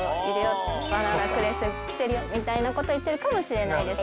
みたいなこと言ってるかもしれない。